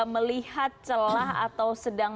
melihat celah atau sedang